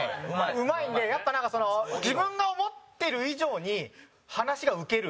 うまいんで、やっぱ、なんか自分が思ってる以上に話がウケる。